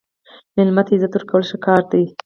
مېلمه ته عزت ورکول ښه کار دی.